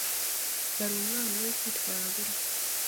Yari umwana we kwitwara gutya.